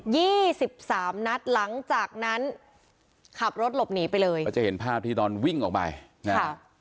สิบสามนัดหลังจากนั้นขับรถหลบหนีไปเลยเขาจะเห็นภาพที่ตอนวิ่งออกไปนะฮะ